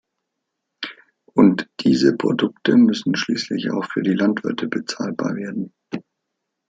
Und diese Produkte müssen schließlich auch für die Landwirte bezahlbar werden.